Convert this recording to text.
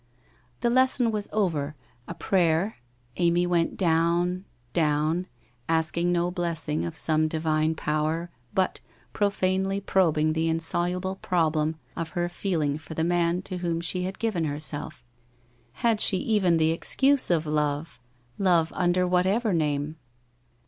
The Lesson was over. A prayer. Amy went down, down, asking no blessing of some divine power, but pro fanely probing the insoluble problem of her feeling for the man to whom she had given herself. Had she even the excuse of love — love under whatever name